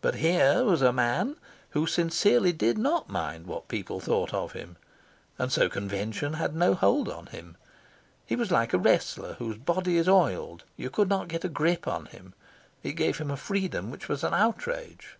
But here was a man who sincerely did not mind what people thought of him, and so convention had no hold on him; he was like a wrestler whose body is oiled; you could not get a grip on him; it gave him a freedom which was an outrage.